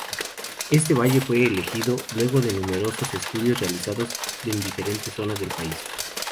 Este valle fue elegido luego de numerosos estudios realizados en diferentes zonas del país.